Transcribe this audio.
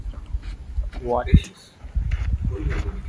"Complete Adventurer" also adds a large number tools equipment.